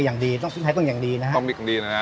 อย่างดีต้องพริกไทยต้องอย่างดีนะครับต้องมีกันดีนะฮะ